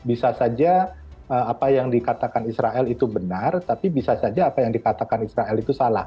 bisa saja apa yang dikatakan israel itu benar tapi bisa saja apa yang dikatakan israel itu salah